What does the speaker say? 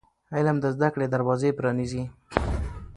علم د زده کړې دروازې پرانیزي.